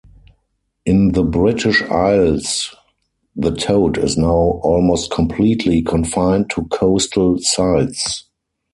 In the British Isles the toad is now almost completely confined to coastal sites.